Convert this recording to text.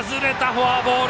フォアボール。